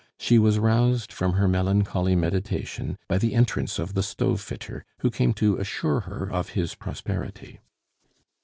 She was roused from her melancholy meditation by the entrance of the stove fitter, who came to assure her of his prosperity.